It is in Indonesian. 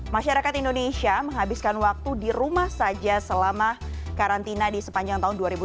masyarakat indonesia menghabiskan waktu di rumah saja selama karantina di sepanjang tahun dua ribu dua puluh